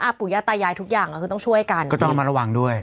ปู่ย่าตายายทุกอย่างก็คือต้องช่วยกันก็ต้องมาระวังด้วย